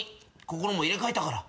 心も入れ替えたから。